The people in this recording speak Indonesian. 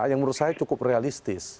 yang menurut saya cukup realistis